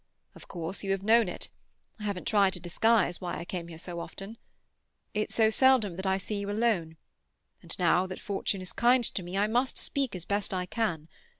Of course you have known it; I haven't tried to disguise why I came here so often. It's so seldom that I see you alone; and now that fortune is kind to me I must speak as best I can.